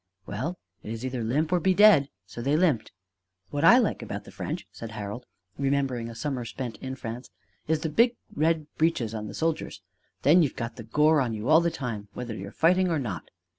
"Well, it is either limp or be dead: so they limped." "What I like about the French," said Harold, remembering a summer spent in France, "is the big red breeches on the soldiers: then you've got the gore on you all the time, whether you're fighting or not."